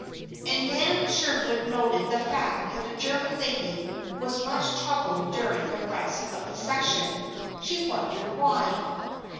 And Nan Sherwood noted the fact that the German lady was much troubled during the rest of the session. She wondered why.